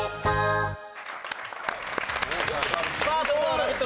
「ラヴィット！」